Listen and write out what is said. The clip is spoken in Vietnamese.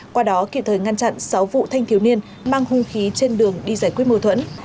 qua đó kịp thời ngăn chặn sáu vụ thanh thiếu niên mang hung khí trên đường đi giải quyết mâu thuẫn